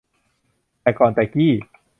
แต่ก่อนแต่กี้